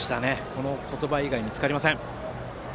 この言葉以外に見つかりません。